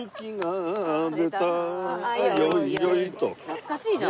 懐かしいな。